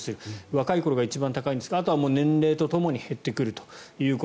若い頃が一番高いんですがあとは年齢とともに減ってくると。